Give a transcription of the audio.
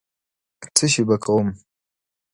څشي به کوم.